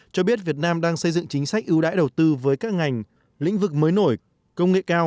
cho biết việt nam đang xây dựng chính sách ưu đãi đầu tư với các ngành lĩnh vực mới nổi công nghệ cao